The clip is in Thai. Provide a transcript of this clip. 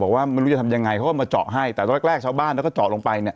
ไม่รู้จะทำยังไงเขาก็มาเจาะให้แต่ตอนแรกแรกชาวบ้านแล้วก็เจาะลงไปเนี่ย